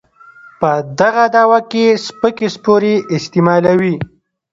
په دغه دعوه کې سپکې سپورې استعمالوي.